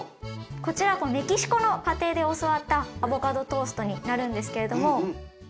こちらメキシコの家庭で教わったアボカドトーストになるんですけれども。